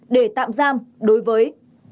để tạm giam đối với